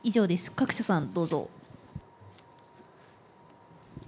各社さんどうぞ。